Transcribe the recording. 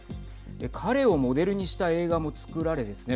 彼をモデルにした映画も作られですね